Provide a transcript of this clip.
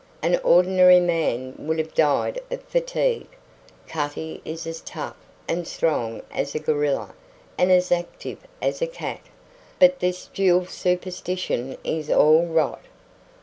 An ordinary man would have died of fatigue. Cutty is as tough and strong as a gorilla and as active as a cat. But this jewel superstition is all rot.